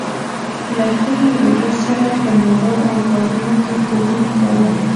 له کلي ولس سره په مېلو او کارونو کې ګډون کاوه.